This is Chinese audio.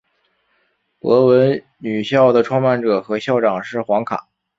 博文女校的创办者和校长是黄侃。